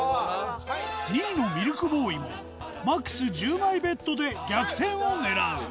２位のミルクボーイもマックス１０枚ＢＥＴで逆転を狙う！